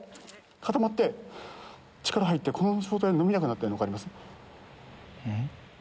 固まって力入ってこの状態で伸びなくなってるの分かります？